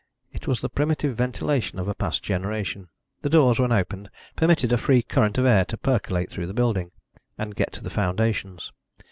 It was the primitive ventilation of a past generation; the doors, when opened, permitted a free current of air to percolate through the building, and get to the foundations.